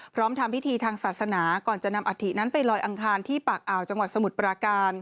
ทำพิธีทางศาสนาก่อนจะนำอัฐินั้นไปลอยอังคารที่ปากอ่าวจังหวัดสมุทรปราการ